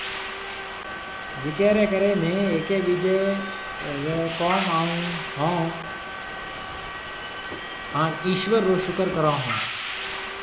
جڪي ري ڪري ميهه هيڪي ٻيجي ري ڪوم آئون ھونهان ايشور رو شڪر ڪرون ۿون۔